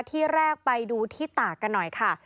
ที่แรกไปดูที่ตากกันหน่อยค่ะ